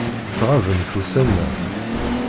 Tɣabemt ussan-a.